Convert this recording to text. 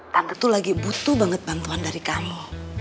tante tuh lagi butuh banget bantuan dari kami